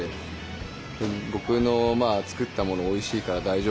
僕の作ったものおいしいから大丈夫だよって言って。